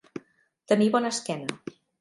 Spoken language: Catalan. Tenir bona esquena.